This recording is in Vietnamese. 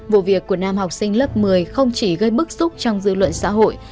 vụ việc của nam học sinh lớp một mươi không chỉ gây bức xúc trong dư luận xã hội